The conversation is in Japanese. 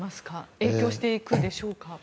影響していくでしょうか。